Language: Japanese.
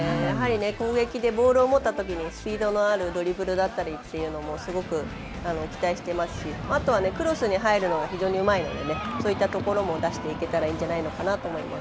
攻撃でボールを持ったときにスピードのあるドリブルだったりというのもすごく期待していますしクロスに入るのも非常にうまいので、そういったところも出していければいいのかなと。